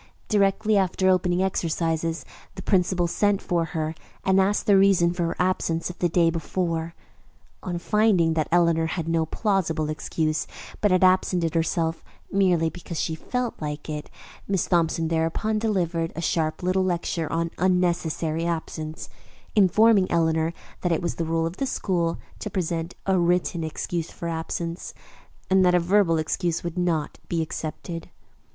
Directly after opening exercises the principal sent for her and asked the reason for her absence of the day before. On finding that Eleanor had no plausible excuse, but had absented herself merely because she felt like it, Miss Thompson thereupon delivered a sharp little lecture on unnecessary absence, informing Eleanor that it was the rule of the school to present a written excuse for absence, and that a verbal excuse would not be accepted.